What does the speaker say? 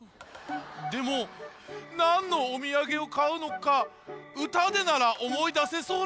でもなんのおみやげをかうのかうたでならおもいだせそうなんだ。